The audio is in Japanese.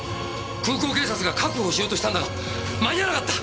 空港警察が確保しようとしたんだが間に合わなかった。